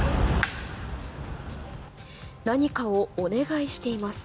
何かをお願いしています。